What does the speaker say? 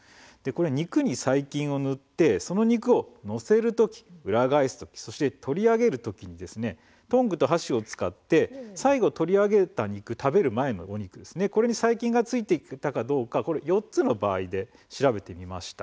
肉に細菌を塗って、その肉を乗せる時裏返す時、そして取り上げる時にトングと箸を使って最後取り上げた肉、食べる前の肉に細菌が付いていたかどうか４つの場合で、調べてみました。